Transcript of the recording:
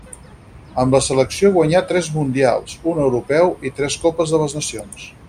Amb la selecció guanyà tres Mundials, un Europeu i tres copes de les Nacions.